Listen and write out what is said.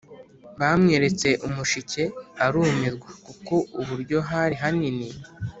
Bamweretse umushike arumirwa, kuko uburyo hari hanini,